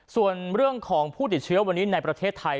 ส่วนเรื่องของผู้ติดเชื้อวันนี้ในประเทศไทย